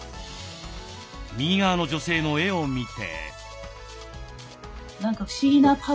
右側の女性の絵を見て。